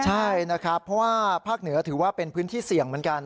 ใช่นะครับเพราะว่าภาคเหนือถือว่าเป็นพื้นที่เสี่ยงเหมือนกัน